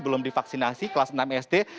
belum divaksinasi kelas enam sd